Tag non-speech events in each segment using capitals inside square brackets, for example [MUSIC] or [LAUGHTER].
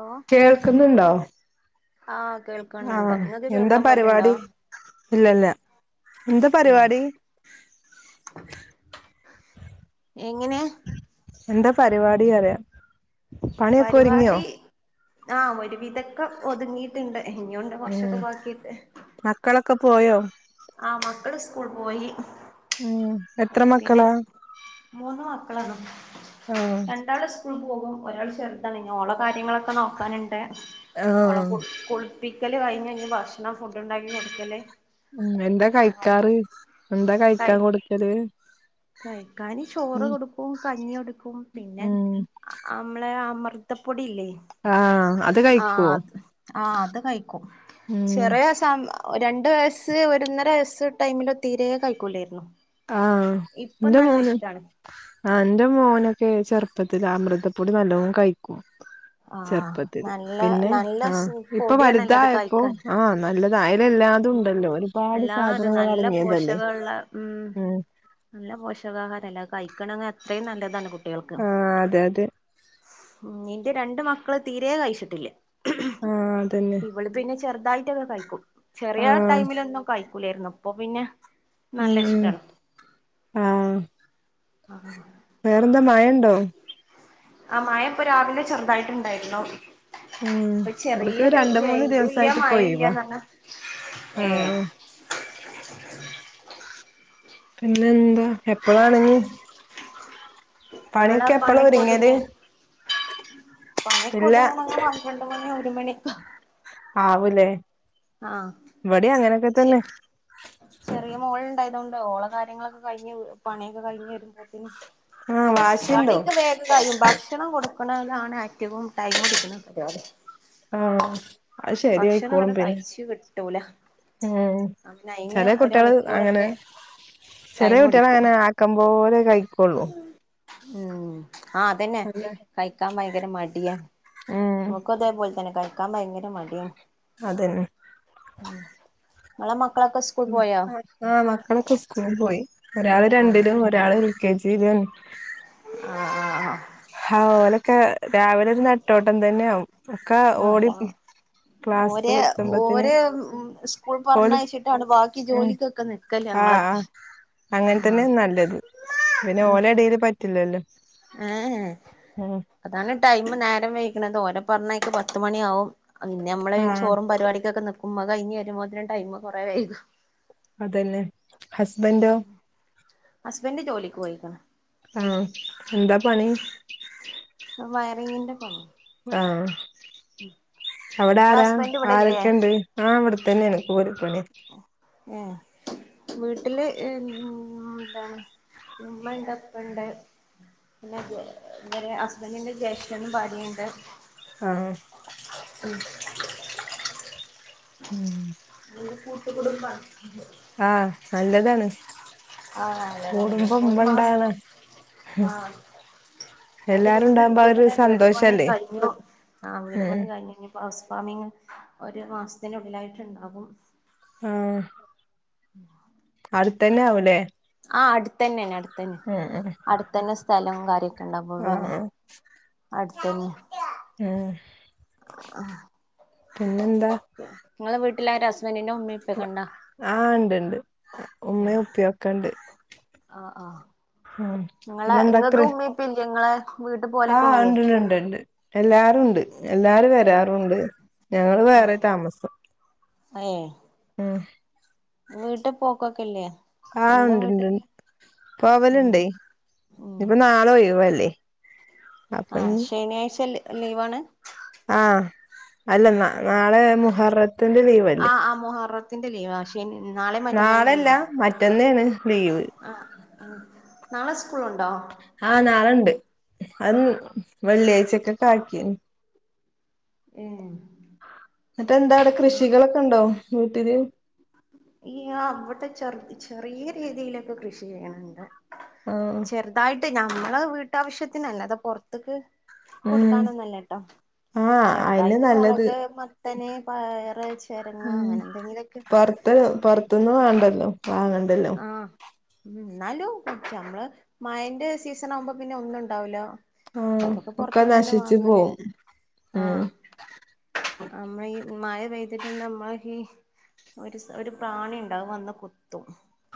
ഓ കേൾക്ക്‌ന്നുണ്ടോ ആഹ് കേൾക്കണണ്ട് നിങ്ങക്ക് കേൾക്കാൻ പറ്റണ്ടോ പരിപാടി ഇല്ലല്ല എന്താ പര് വാടി എങ്ങനെ എന്താ പരിവാടി പറയാ പര് വാടി ആഹ് ഒരു വിധക്കെ ഒതുങ്ങിയിട്ടുണ്ട് ഇനിയുണ്ട് കൊറച്ചൊക്കെ ഉം ബാക്കിണ്ട് മക്കളൊക്കെ പോയോ ആമ ക്കള് സ്കൂൾ പോയി മ്മ് പിന്നെ മൂന്ന് മക്കളാണ് ആഹ് രണ്ടാള് സ്കൂൾ പോകും ഒരാൾ ചെറുതാണ് ഇനി ഓളെ കാര്യങ്ങളൊക്കെ നോക്കാന്ണ്ട് ഓളെ ആഹ് കുളി കുളി പിക്കല് കയ്ഞ്ഞു ഇനി ഭക്ഷണം ഫുഡ് ഇണ്ടാക്കി കൊടുക്കല് മ്മ് എന്താ അങ്ങനെ കഴിക്കാറ് എന്താ കഴിക്കാൻ കഴി കൊട്ക്കല് കഴിക്കാന് ചോറ് കൊടുക്കും കഞ്ഞി കൊടുക്കും പിന്നെ ഉം അമ്മളെ അമൃ തപ്പൊടിയില്ലേ ആഹ് അത് ആഹ് കഴിക്കോ അത് ആഹ് അത് കയ്ക്കും ഉം ചെറിയ സാം രണ്ട് വയസ്സ് ഒരൊന്നര വയസ്സ് ടൈമിലോ തീരെ കയ്ക്കുല്ലേര്ന്നു ആഹ് ൻ്റെ മോന് ആഹ് എൻ്റെ മോന് ക്ക്‌ ചെറുപ്പത്തില അമൃതപ്പൊടി ന്നല്ലോം കയ്ക്കും ആഹ് ചെറുപ്പത്തില് നല്ല പിന്നെ നല്ല ആഹ് ഇപ്പ പൊടിയാണല്ലോ വലുതായപ്പോ ആഹ് നല്ലത് മ്മ് എല്ലാം അതെ സാധനങ്ങൾ നല്ല അടങ്ങിയതല്ലേ പോഷകഇള്ള മ്മ് ഉം നല്ല പോഷകാഹാരല്ലെ അത് കയ്ക്കണങ്ങെ അത്രേം നല്ലതാണ് കുട്ട ആഹ് അതെ അതെ മ്മ് ഇന്റെ രണ്ട് മക്കള് തീരെ കയ്ച്ചിട്ടില്ല ആഹ് അതന്നെ ഇവള് പിന്നെ ചെ ചെറുതായിട്ടൊക്കെ കഴിക്കും ചെറിയ ആഹ് ടൈമിലൊ ഒന്നും കഴിക്കൂലായിരുന്നു അപ്പൊ പിന്നെ ഉ നല്ല ഇഷ്ടാണ് ആഹ ആഹ വേറെന്താ മഴണ്ടോ ആ മഴ ഇപ്പൊ രാവിലെ ചെറുതായിട്ടുണ്ടായിന്നോ ഉം ഇപ്പൊ ഇവിടക്ക് ചെറിയൊരു രണ്ട് മൂന്ന് വയില ഇല്ല ദിവസായിട്ട് ഇപ്പൊ മായ ഒഴിവാ ഇല്ലന്നഞ്ഞ അ ആഹ് പിന്നെ എന്താ എപ്പഴാണ് പണിയൊക്കെ എപ്പളാ വങ്ങേത് പണിക്ക് ഒതുങ്ങണങ്ങ പന്ത്രണ്ട് മണി ഒരു മണി ആവലേ ഇവിടെ അങ്ങനെയൊക്കെ തന്നെ ചറിയ മോുകളളുണ്ടായതുകൊണ്ട് ഓള കാര്യങ്ങളൊക്കെ കഴഞ്ഞ് പണിയൊക്കെ കഴിഞ് വരുമ്പോത്തേന് ആഹ് വാശിണ്ടോ പണിക്ക് വേഗായും ഭക്ഷണം കൊടു നോക്കണാണ് ഏറ്റവും ടൈം കുടിക്കണ പരിപാടി ആഹ അത് ശെരിയയിക്കോളും പിന്നെ ച്ച കിട്ടൂല ഉം അനെ അയിന് ചെല ഒരു കുട്ടികള് അങ്ങനെ മണിക്കൂറൊക്കെ ചെറിയ കുട്ടികള അങ്ങനെ ആക്ക പോോലെ കഴിക്കോുള്ളൂ ഉം ആഹ അതന്നെ കഴിക്കാൻ ഭയങ്കര മടിയാണ് നമുക്ക് അതേപോലെ തന്നെ കഴ നക്കാൻ ഭയങ്കര മടി അതന്നെ ഉം ഇങ്ങളെ മ ആ്ഹ് മക്കളൊക്കെ സ്കൂള് പോയി ഒരാൾ ആഹ് രണ്ടിലും ഒരാൾ [UNINTELLIGIBLE] ആഹ് ആഹ് അഹ് ഹ ഓലൊക്കെ രാവിലെ ഒരു നെട്ടോട്ടം തന്നെയവും ഒക്കെ ഓടി ക്ലാസ്ക്ക് ഓരെ എത്തുമ്പത്തിന് ഓരെ സ്കൂൾ ഓല് പറഞ്ഞഴച്ചിട്ടാണ് ബാക്കി ജോലിക്കൊക്കെ നി ൽക്കല ആ ആ ഞങ്ങളൊക്കെ അങ്ങനെ ആഹ് തന്നെ നല്ലത് പിന്നെ ഓലെടേൽ പറ്റില്ലല്ലോ ഏഹ് ഏ അതാണ് ടൈമ് നേരം വയ്ക്ണത്. ഓരെ പറഞയച്ച പത്ത് മണിയാവും. ഇന് നമ്മള് ആ ചോറും പരിപാടിക്കൊ നിക്കുമ്പോ അഹ് കഴിഞ്ഞു വരുമ്പോത്തിനും ടൈം കുറേ വൈകും അതന്നെ ഹസ്ബൻഡോ ഹസ്ബൻറ്റ് ജോലിക്ക് പോയിക്ക്ണ് ആഹ് എന്താ പണി വയറിങ്ങിന്റെ പണി ആഹ് അവിടെ ഇങ്ങളെ ആരാ ഹസ്ബൻഡ് ഇവിടെല്ലേ ആരൊക്കെുണ്ട് ആഹ് അവിടെത്തന്നെയാണ് [UNINTELLIGIBLE] പണി ഏഹ് വീട്ടില് എന്താണ് ഉമ്മ ഉണ്ട് ഇപ്പ ഉണ്ട് പിന്നെ ഇവരെ ഹസ്ബൻറിന്റെ ജേശ്ട നും ഭാര്യയും ഉണ്ട് ആഹ് [INAUDIBLE] ഉം ഞങ്ങള്ത് കൂട്ടുകുടുംബ ആഹ്, നല്ലതാണ് ആഹ് കൂടുമ്പോ നല്ലതപ്പ ഒരു മാസം ഉമ്മണ്ടാവണം ആഹ് ഒരു എല്ലാരും വീട് ഉണ്ടാവുമ്പോ ആ ഒരു ഇടുത്ത്ക്ക്ണ് വീട് പണി സന്തോഷല്ലേ കഴിഞ്ഞു ആഹ് വീട് ഉം പണി കഴിഞ്ഞു ഹൗസ് ഫാമിംങ്ങ് ഒരു മാസത്തിന ഉള്ളിലായിട്ട്ണ്ടാവും ആഹ് ഉം ത്തന്നെ ആവുലേ ആ അടുത്തന്നെണ് അടുത്തന്നെണ് അടുത്തന്നെ സ്ഥലോം കാര്യ കണ്ടപ്പ ആഹ് പിന്നെ അടുത്തന്യ ആഹ നിങ്ങളെ വീട്ടിലാരാ ഹസ് ആ ണ്ട്ണ്ട് ഉമ്മേം ഉപ്പയൊക്ക്‌ണ്ട് ആ ആഹ നിങ്ങളെ പിന്നെന്താ കൃ നിങ്ങക്ക് ഉമ്മേം ഉപ്പേം ഇല്ലേ ഇങ്ങളെ വീട്ട് പോലൊക്കെ ആഹ് ഇല്ലേ ഇണ്ട്ണ്ട് ഇണ്ട് എല്ലാരുണ്ട് എല്ലാരും ഏഹ് വരാറുണ്ട് ഞങ്ങള് വേറെ താമസം ഏ അ ഹ് വീട്ട് പൊക്കോക്കില്ലേ ആഹ് ഉണ്ട്ണ്ട് ഉം പോവല്ണ്ടേയ് ഉം ഇനിപ്പ ന്നാളൊയ് വല്ലേ ആ ശനിയാഴ്ച ലീവാണ് ആഹ അല്ല ന ഏഹ് നാളെ മുഹററത്തിന്റെ ലീവ്ല്ലേ ന്റെ ലീവ്ക്ഷേ നാളെ മറ്റന്നാളെ നാളെല്ല ലീവ്ല്ലേ മറ്റന്നേണ് ലീവ് ആ ആ നാളുണ്ട് അത് വെള്ളിയാഴ്ചൊക്കെ കാക്കി ഏ മറ്റ എന്താ അവിടെ കൃഷികളൊക്കെ ഉണ്ടോ വീട്ടില് ഈ അവിടെ ചെറ ചെറിയ രീതിയിലൊക്കെ കൃഷി ചെയ്യണണ്ട് ആഹ് ചെറുതായിട്ട് ഞമ്മള വീട്ടാവശ്യത്തിനല്ലേ അതാ പുൊറത്തേക്ക് ഉം കൊടുക്കാനൊന്നല്ലട്ടോ ആഹ് അയന്നെ ചെറുതായിട്ട് നല്ലത് മുളക് മത്തനെ പയർ ചിരങ്ങ അങ്ങനെ എന്തെങ്കിലുമൊക്കെ ഇ പുൊറത്തുന്ന് വേങ്ങണ്ടല്ലോ വാങ്ങണ്ടല്ലോ ഉ എന്നാലും നമ്മള് മഴന്റെ സീസൺ ആകുമ്പോ പിന്നെ ഒന്നും ഉണ്ടാവൂില്ല ആഹ ഒക്കെ നശിച്ചു പോവും ഉം അമ്മ മഴ പെയ്തിട്ടുണ്ട് നമ്മൾ ഈ ഒരു ഒരു പ്രാണിുണ്ടാവും വന്ന കുത്തും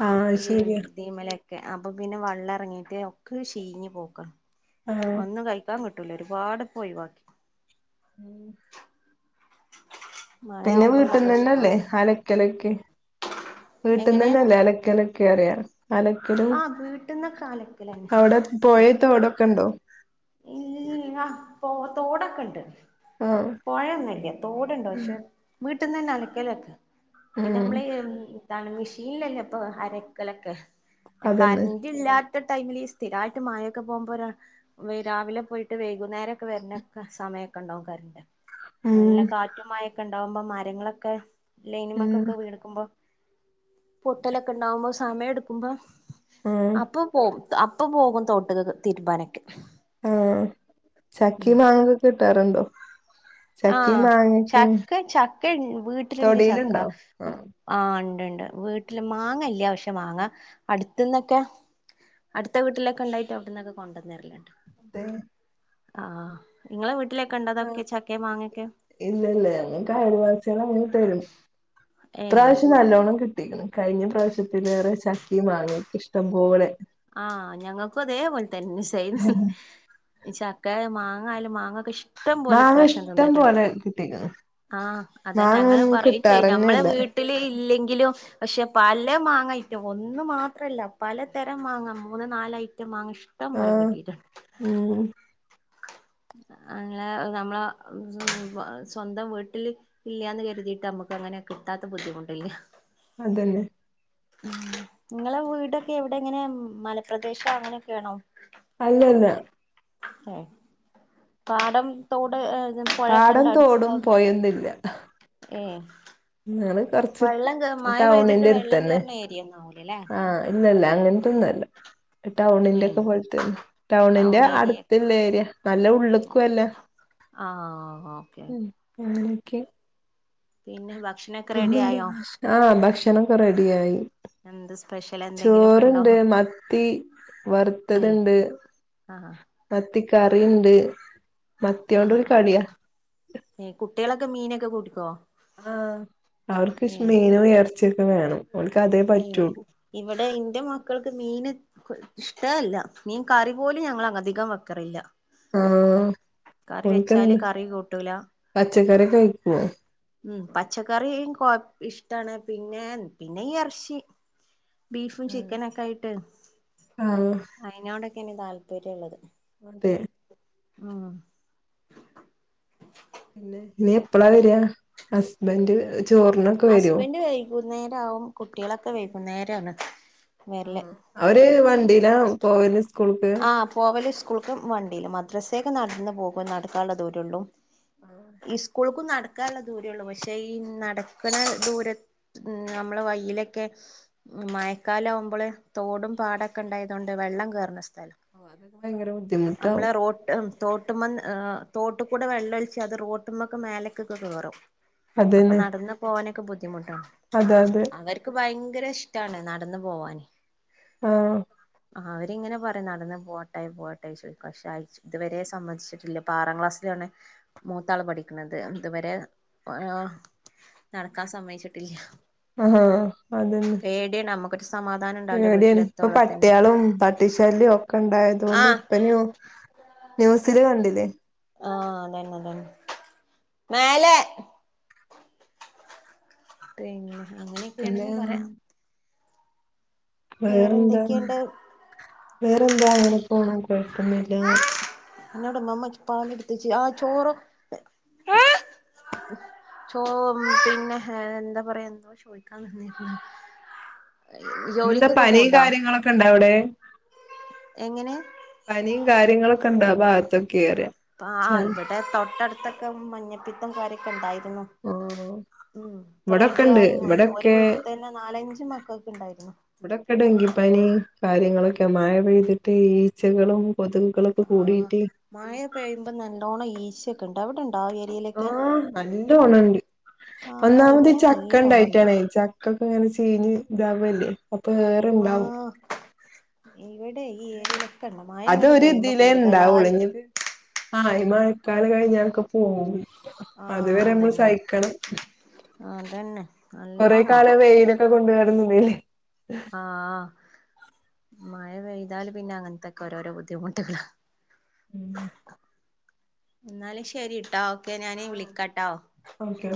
ആഹ അത് ഈ ശരിയാ ഇതിമലൊക്കെ അപ്പൊ പിന്നെ വെള്ളം ഇറങ്ങിയിട്ട് ഒക്കെ ചീഞ് പോക്കാം ആഹ് ഒന്ന് കഴിക്കാൻ കിട്ടും കല ഒരുപാട് പോയി ബാക്കി ഉം മഴ പിന്നെ ആവുമ്പോള്ള വീട്ടിൽന്ന് തന്നെല്ലേ പ്രശ്നാണ് അലക്കല വീട്ടിൽന്ന് എങ്ങനെ തന്നെല്ലേ അലക്കലക്കെ അറിയാം അലക്കിലും ആ വീട്ടിൽന്നൊക്കെ അലക്കലന്നെ അവിടെ പോയത് വിടൊക്കെ ഉണ്ടോ ഇ ാ പോ തോടൊക്കെ ഉണ്ട് ആഹ് പുഴയൊന്നല്ല തോടുണ്ടോ പക്ഷെ വീട്ടിൽന്ന് തന്നെ അലക്കലൊക്കെ പിന്നെ ഉം നമ്മള് ഇ താണ് മെഷീനിലല്ലേ ഇപ്പൊ അലക്കലൊക്കെ അതന്നെ കറൻ്റ ഇല്ലാത്ത ടൈമില് സ്ഥിരമായിട്ട് മായൊക്കെ പോകുമ്പോരാ രാവിലെ പോയിട്ട് വൈകുന്നേരം ഒക്കെ വരുന്ന സമയൊക്കെ ഉണ്ടാവും കറിന്റെ നല്ല ഉം കാറ്റു മഴൊക്കെ ഉണ്ടാവുമ്പോ മരങ്ങളൊക്കെ ഉം ലൈനിമക്കൊക്കെ വീടക്കുമ്പോ പൊട്ടലൊക്കെ ഉണ്ടാവുമ്പോ സമയം എടുക്കുമ്പോ ഉം അപ്പൊ പോകവും അപ്പം പോകും തൊട്ടുക തീരുമാനൊക്കെ ആഹ ചക്കി മാങ്ങൊക്കെ കിട്ടാറുണ്ടോ ആഹ ചക്കേം മാങ്ങൊക്കെ ചക്ക ചക്ക വീട്ടിലുണ്ട് ചക്ക തൊടീലുണ്ടോ ആഹ് ആ ണ്ട് വീട്ടില് മാങ്ങല്ല പക്ഷെ മാാങ്ങ അടുത്തന്നൊക്കെ അടുത്ത വീട്ടിലൊക്കെ ഉണ്ടായിട്ട് അവിടന്നൊക്കെ കൊണ്ടുവന്നരില്ലുണ്ട് അത ആ നിങ്ങളെ വിട്ട ആ ഇല്ല ഇല്ല ങ്ങ മീൻ തരും ഏഹ് ഇത്രാവശ്യം നല്ലോണ്ണം കിട്ടും കിട്ടിയിരിക്കണ് കഴിഞ്ഞ പ്രാവശ്യത്തിലേറെ ചക്കിയും മാങ്ങയും ഇഷ്ടം പോലെ ആ ഞങ്ങൾക്കും അതേപോലെ തന്നെ ചക്ക മാങ്ങായാലും മാങ്ങ മാങ്ങ ഇഷ്ടം പോലെ കിട്ടിക്കുന്നു ആ അതന്ന ഞങ്ങള് പറയും ചെയ്യ് ഞമ്മളെ വീട്ടില് ഇല്ലെങ്ക പക്ഷെ പല മാങ്ങ ഐറ്റം ഒന്ന് മാത്രല്ല പല തരം മാങ്ങ മൂന്ന് നാലായി മാങ്ങ ഇഷ്ടം പോലെ ആഹ് കിട്ടീയിട്ടുണ്ട് ഉം അങ്ങനെ നമ്മള സ്വന്തം വീട്ടിൽ ഇല്ലന്ന് കരുതിയിട്ട് നമ്മുക്ക് അങ്ങനെ കിട്ടാത്ത ബുദ്ധിമുട്ടില്ല അതന്നെ ഉ നിങ്ങളെ വീടൊക്കെ എവിടെ എങ്ങനെ മലപ്രദേശം അങ്ങനെയൊക്കെയാണോ അല്ലല്ല പാടം തോട് പുഴയൊക്കെ ഇണ്ട് പാടം അടുത്ത തോടും ഭാഗത്ത പൊഴൊന്നുല്ല ഏ ഞങ്ങള് കൊറച്ച് വെള്ളം കേറ മഴ പെയ്തിട്ട് ടൗണിന്റെ വെള്ളം അടുത്തന്നെ കേയറുന്ന ഏരിയന്ന ആവലല്ലേ ശബ്ദം ആഹ് ഇല്ലല്ല അങ്ങനത്തൊന്നല്ല ക്ലിയർ അല്ല ടൗണിന്റെ ഒക്കെ പോലെതന്നെ ടൗണിന്റെ ഏരിയ അടുത്തല്ല ഏരിയ നല്ല ഉള്ളിക്കല്ല ആ ഓക്കെ അങ്ങനെക്കെ പിന്നെ ഭക്ഷണൊക്കെ റെഡി പിന്നെന്താ ആയോ ആ ഭക്ഷണം ഒക്കെ റെഡിയായി എന്ത് സ്പെഷ്യൽ എന്തെങ്കിലും ഒക്കെ ഉണ്ടോ ചോറുണ്ട് മത്തി ഏ വറുത്തത്ണ്ട് ആ മത്തി കറിണ്ട് മത്തിയോണ്ടൊരു കളിയാ കുട്ടികളൊക്കെനൊക്കെ മീനൊക്കെ കൂട്ടിക്കോ ആ അവർക്ക് മീനും ഇറച്ചിയൊക്കെ വേണം ഓൽക്ക് അതേ ഉ പറ്റുള്ളൂ ഇവിടെ ഇന്റെ മക്കൾ മീന് ഇഷ്ടമല്ല മീൻ കറി പോലും ഞങ്ങൾ അധികം വെക്കറില്ല ആ കറി ഓല് വെച്ചാല് എന്ത് കറി കൂട്ടൂല പച്ചക്കറിക്കെഴിക്കൊവോ ഉം പച്ചക്കറിയും കൊറച്ച് ഇഷ്ടാണ് പിന്നെ പിന്നെ ഇറച്ചി ബീഫും ചിക്കനൊക്കെ ആയിട്ട് ആഹ് അതിനോടൊക്കെയാണ് താല്പര്യം ഉള്ളത് അതെ ആ ഇനീ എപ്പളാ വരിയാ ഹസ്ബന്ഡ് ഹസ്ബൻഡ് വൈകുന്നേര ആവും കുട്ടികളൊക്കെ വൈകുന്നേരണ് ആ അവര് വണ്ടീനാ പോവല് സ്കൂൾക്ക് ആ പോവല് സ്കൂൾക്ക് വണ്ടിയില് മദ്രസയൊക്കെ നടന്ന് പോകും നടക്കാനുള്ള ദൂരമുള്ളൂ ആഹ് സ്കൂൾ നടക്കാനുള്ള ദൂരേള്ളു പക്ഷേ ഈ നടക്കണ ദൂര നമ്മള് വഴിലൊക്കെ മഴക്കാല ആകുമ്പോള് തോടും പാടൊക്കെ ഉണ്ടായതുകൊണ്ട് വെള്ളം കയറുന്ന ഓ അതൊക്കെ ഭയങ്കര ബുദ്ധിമുട്ടാവും നമ്മളെ റോട്ട് തോട്ടുമ്മൻ തോട്ട് കൂടെ വെള്ളമൊലിച്ച് അത് റോട്ടുമ്മൊക്കെ മേലക്കൊക്കെ കേയറും അപ്പൊ അതന്നെ നടന്ന് പോകാനൊക്കെ ബുദ്ധ ബുദ്ധിമുട്ടാണ് അതെ അതെ അവർക്ക് ഭയങ്കര ഇഷ്ടമാണ് നടന്ന് പോവാന് ആ അവരിങ്ങനെ പറഞ്ഞ നടന്നാ പോട്ടേയി പോട്ടേയി ചോദിക്കും പക്ഷെ ഇതുവരെ സമ്മതിച്ചിട്ടില്ല ഇപ്പോ ആറാം ക്ലാസിലാണ് മൂത്താള് പഠിക്കണുന്നത് ഇതുവരെ നടക്കാൻ സമ്മയിച്ചിട്ടില്ല ആ അതന്നെ നമ്മുക്കൊരു സമാധാനം ഉണ്ടാവില്ല പേടിയാണ് ഇപ്പൊ വീട്ടിലെത്തോളത്തിന് പട്ടിയാളും പട്ടിശല്യവും ഒക്കെ ഉണ്ടായത്കൊണ്ട് ആഹ് ഇപ്പനോ ന്യൂസില് കണ്ടില്ലേ ആ അതന്നെ അതന്നെ മേലെ ട്രെയിനിൽ പിന്നെ അങ്ങനെയൊക്കെയാണന്ന് പറയാം വേറെ വേറെന്താ എന്തൊക്കെയുണ്ട് വേറെന്താ അങ്ങനെ പോണം കൊഴപ്പോന്നില്ല എന്നോട് മമ്മ പാല് എടുത്ത് വച്ച് ആ ചോറോ ഏ ചോ പിന്നെ എന്താ പറയാ എന്തോ ചോദിക്കാൻ നിന്നി പിന്നെന്താ പനി കാര്യങ്ങളൊക്കെ ഇണ്ടാ അവിടെ എങ്ങനെ പനിയും കാര്യങ്ങളൊക്കെ ഇണ്ടാ ഭാഗത്ത് ആ ആ ഇവിടെ തൊട്ടടുത്തൊക്കെ മഞ്ഞപ്പിത്തും കാര്യക്കെ ഇണ്ടായിരുന്നു ആഹ് ഉം ഇപ്പൊ റെഡി ഇവിടൊക്കെണ്ട് ആയി മ ഒരു ഇവിടൊക്കെ വീട്ട് തന്നെ നാലഞ്ച് മക്കൾക്ക് ഉണ്ടായിരുന്നു ഇവിടെക്കെ ഡെങ്കിപ്പനി കാര്യങ്ങളൊക്കെ മഴ പെയ്തിട്ട് ഈച്ചകളും കൊതുകുകളൊക്കെ ആഹ് കൂടിയിട്ട് മായ പെയ്യുമ്പോ നല്ലോണം ഈചോക്കെ ഉണ്ട് അവിടെ ണ്ടാവ് ഏരിയിലൊക്കെ ആഹ് നല്ലോണണ്ട് ഒന്നാമത് ചക്ക ഉണ്ടായിട്ടണേ ചക്ക ഒക്കെ എങ്ങനെ ചീഞ്ഞ് ഇതാവല്ലേ അപ്പൊ വേറെണ്ടാവും ടെ ഈ ഏരിയിലൊക്കെ ഉണ്ട മയ ഇങ്ങട്ട് പേയുമ്പോ കൂടുതലായിട്ടും ആ മഴക്കാല കഴിഞ്ഞൊക്കെ പോവും ആഹ് അതുവരെ നമ്മൾ അതന്നെ സഹിക്കണം അതന്നെ കൊറെ കള നല്ലോണണ്ട് വെയിലൊക്കെ കൊണ്ടുവരുന്നുല്ലേ ആ മ പെയ്താലും പിന്നെ അങ്ങനത്തൊക്കെ ഓരോരോ ബുദ്ധിമുട്ടുകള ഉം എന്നാലും ശരിട്ടാ ഒക്കെ ഞാന് ആഹ് വിളിക്കാട്ടോ ഓക്കെ